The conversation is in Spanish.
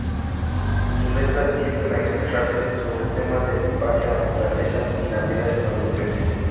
Sus letras tienden a expresarse sobre temas de infancia, naturaleza y la vida estadounidense.